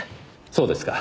そうですか。